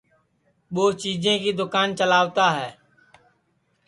ٻوچیجیں کی دوکان چلاوتا ہے